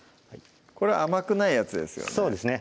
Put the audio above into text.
これ甘くないやつですよね